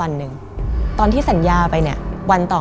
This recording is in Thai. มันกลายเป็นรูปของคนที่กำลังขโมยคิ้วแล้วก็ร้องไห้อยู่